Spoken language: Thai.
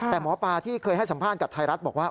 แต่หมอปลาที่เคยให้สัมภาษณ์กับไทยรัฐบอกว่า